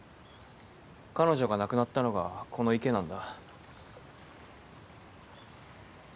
彼女が亡くなったのがこの池なんだ。